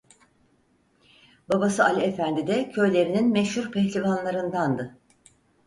Babası Ali Efendi de köylerinin meşhur pehlivanlarındandı.